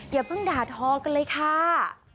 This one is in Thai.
อย่าเพิ่งด่าทอกันเลยค่ะ